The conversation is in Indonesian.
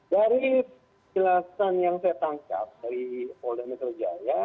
dari jelasan yang saya tangkap dari folder mental jaya